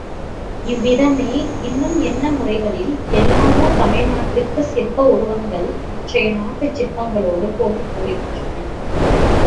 இவ்விதமே இன்னும் என்ன முறைகளில் எல்லாமோ தமிழ்நாட்டுச் சிற்ப உருவங்கள் மற்றைய நாட்டுச் சிற்பங்களோடு போட்டி போடுகின்றன.